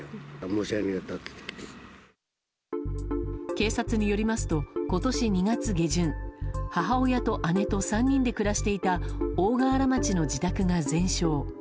警察によりますと今年２月下旬母親と姉と３人で暮らしていた大河原町の自宅が全焼。